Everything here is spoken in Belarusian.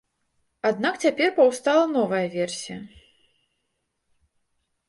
Аднак цяпер паўстала новая версія.